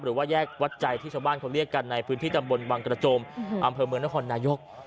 หรือว่าแยกวัดใจที่ชาวบ้านเขาเรียกกันในพื้นที่ตำบลบังกระจมอำเภอเมืองนครนายก